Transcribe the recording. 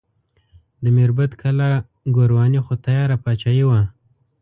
د میربت کلا ګورواني خو تیاره پاچاهي وه.